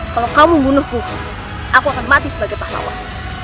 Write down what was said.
kalau kamu membunuhku aku akan mati sebagai pahlawan